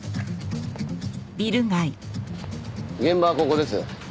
現場はここです。